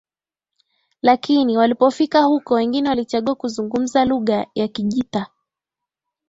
lakini walipofika huko wengine walichagua kuzungumza lugha ya kijita